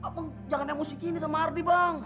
bang jangan emosi gini sama ardi bang